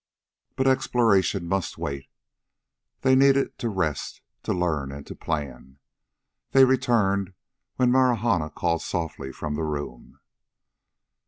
But exploration must wait. They needed to rest, to learn and to plan. They returned when Marahna called softly from the room.